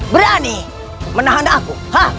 berani menahan aku